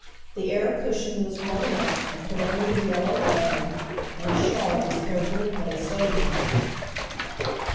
The air cushion was blown up, and put under the yellow head and a shawl was carefully placed over him.